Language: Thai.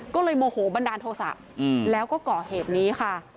ก็เลยโมโหบันดาลโทษะแล้วก็ก่อเหตุนี้ค่ะ